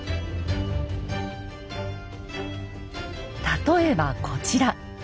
例えばこちら。